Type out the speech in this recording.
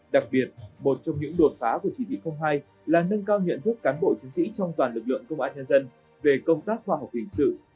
đặc biệt một trong những đột phá của chỉ thị hai là nâng cao nhận thức cán bộ chiến sĩ trong toàn lực lượng công an nhân dân về công tác khoa học hình sự